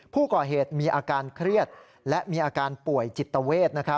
ผู้ก่อเหตุมีอาการเครียดและมีอาการป่วยจิตเวท